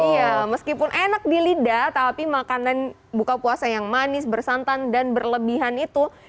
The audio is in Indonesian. iya meskipun enak di lidah tapi makanan buka puasa yang manis bersantan dan berlebihan itu